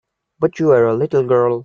But you were a little girl.